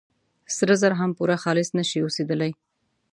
سره زر هم پوره خالص نه شي اوسېدلي.